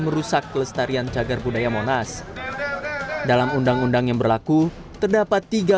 merupakan pihak pelestarian cagar budaya monas dalam undang undang yang berlaku terdapat tiga